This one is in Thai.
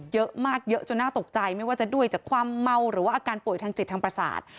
เยอะมากเยอะจนน่าตกใจไม่ว่าจะด้วยจากความเมาหรือว่าอาการป่วยทางจิตทางประสาท